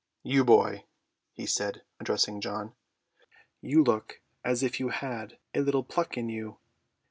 "You, boy," he said, addressing John, "you look as if you had a little pluck in you.